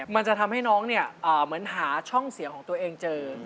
มันจะทำให้น้องเนี่ยเหมือนหาช่องเสียงของตัวเองเจอ